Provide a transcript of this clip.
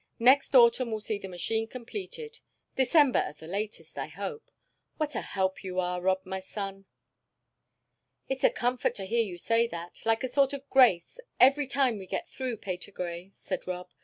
"Next autumn will see the machine completed December at the latest, I hope. What a help you are, Rob, my son!" "It's a comfort to hear you say that, like a sort of grace, every time we get through, Patergrey," said Rob.